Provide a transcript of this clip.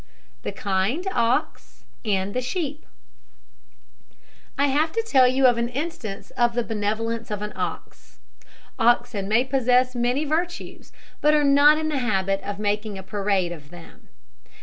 THE KIND OX AND THE SHEEP. I have to tell you of an instance of the benevolence of an ox. Oxen may possess many virtues, but are not in the habit of making a parade of them.